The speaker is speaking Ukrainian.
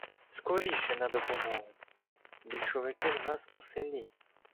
— Скоріше на допомогу! Большевики в нас у селі.